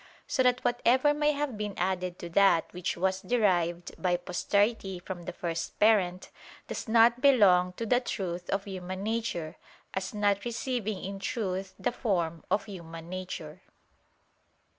So that whatever may have been added to that which was derived by posterity from the first parent, does not belong to the truth of human nature, as not receiving in truth the form of human nature.